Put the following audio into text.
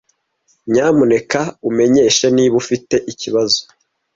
Nyamuneka umenyeshe niba ufite ikibazo.